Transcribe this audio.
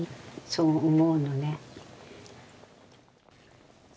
そう思うのね。